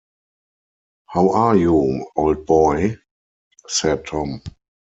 “How are you, old boy?” said Tom.